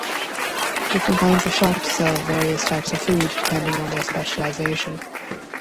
Different kinds of shops sell various types of food depending on their specialization.